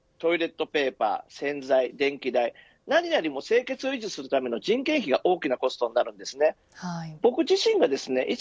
例えば水道代トイレットペーパー洗剤、電気代何より清潔を維持するための人件費が大きなコストとなります。